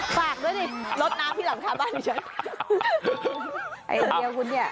ฝากด้วยดิรดน้ำที่หลังคาบ้านดิฉัน